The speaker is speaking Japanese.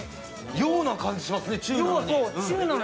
洋な感じしますね、中なのに。